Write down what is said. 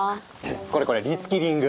これこれリスキリング！